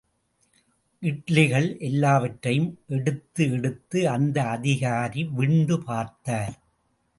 இட்லிகள் எல்லாவற்றையும் எடுத்து எடுத்து அந்த அதிகாரி விண்டு பார்த்தார்.